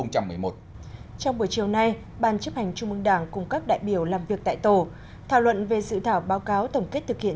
trong buổi chiều nay ban chấp hành trung mương đảng cùng các đại biểu làm việc tại tổ thảo luận về dự thảo báo cáo tổng kết thực hiện